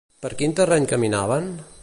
Per quin terreny caminaven?